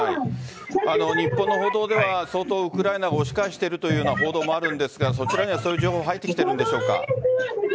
日本の報道では相当ウクライナが押し返しているという報道もありますがそちらにはそういう情報は入ってきていますか？